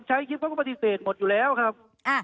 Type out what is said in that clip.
ใช้คลิปเขาก็ปฏิเสธหมดอยู่แล้วครับ